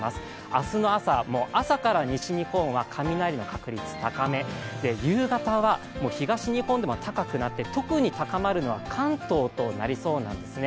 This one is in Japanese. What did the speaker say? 明日の朝、朝から西日本は雷の確立高め、夕方は東日本でも高くなって、特に高まるのは関東となりそうなんですね。